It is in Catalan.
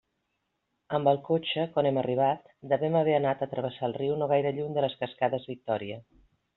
Amb el cotxe, quan hem arribat, devem haver anat a travessar el riu no gaire lluny de les cascades Victòria.